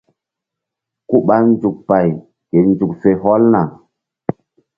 Ku ɓa nzuk pay ke nzuk fe hɔlna.